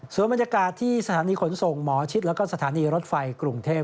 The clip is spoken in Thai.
สวบมันยากาศที่สถานีขนส่งมชิตและสถานีรถไฟกรุงเทพ